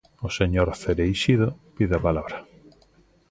O señor Cereixido pide a palabra.